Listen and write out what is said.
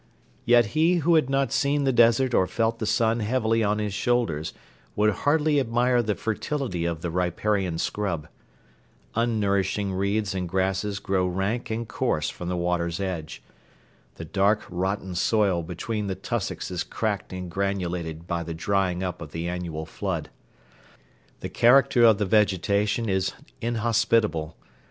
Yet he who had not seen the desert or felt the sun heavily on his shoulders would hardly admire the fertility of the riparian scrub. Unnourishing reeds and grasses grow rank and coarse from the water's edge. The dark, rotten soil between the tussocks is cracked and granulated by the drying up of the annual flood. The character of the vegetation is inhospitable.